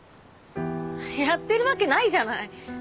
やってるわけないじゃない。